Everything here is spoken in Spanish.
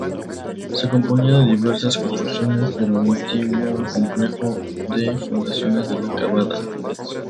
Se componía de diversas construcciones del antiguo complejo de fundiciones de La Cavada.